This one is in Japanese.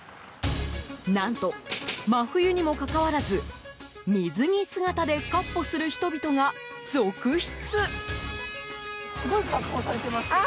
何と、真冬にもかかわらず水着姿で闊歩する人々が続出。